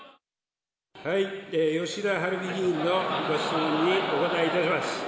はい、吉田晴美議員のご質問にお答えいたします。